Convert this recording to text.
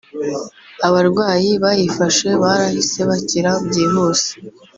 abarwayi bayifashe barahise bakira byihuse